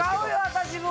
私も。